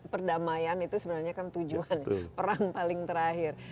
perdamaian itu sebenarnya kan tujuan peran paling terakhir